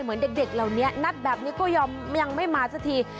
เหมือนเด็กเหล่านี้นัดแบบนี้ก็ยอมยังไม่มาสักที